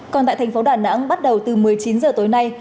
còn tại thành phố đà nẵng bắt đầu từ một mươi chín h tối nay